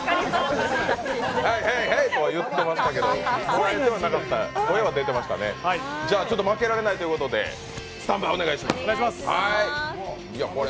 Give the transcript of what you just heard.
ヘイヘイヘイ！とは言ってましたけど声は出てましたね、じゃあ負けられないということでスタンバイお願いします。